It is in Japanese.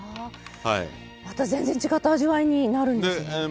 また全然違った味わいになるんですね。